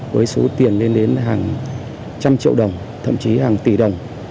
với số tiền lên đến hàng trăm triệu đồng thậm chí hàng tỷ đồng